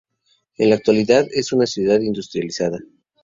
En la actualidad, es una ciudad industrializada.